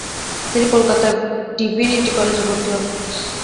তিনি কলকাতার ডিভিনিটি কলেজে ভর্তি হন।